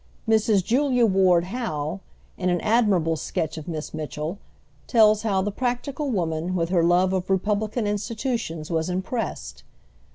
Mrs. Julia Ward Howe, in an admirable sketch of Miss Mitchell, tells how the practical woman, with her love of republican institutions, was impressed.